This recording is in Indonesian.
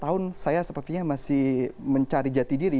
delapan belas tahun saya sepertinya masih mencari jati diri